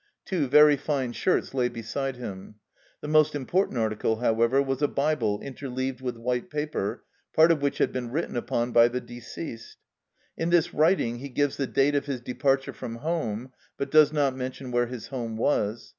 Two very fine shirts lay beside him. The most important article, however, was a Bible interleaved with white paper, part of which had been written upon by the deceased. In this writing he gives the date of his departure from home (but does not mention where his home was).